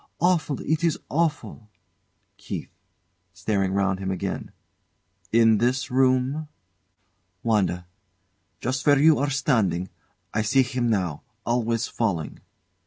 Awful it is awful! KEITH. [Staring round him again.] In this room? WANDA. Just where you are standing. I see him now, always falling.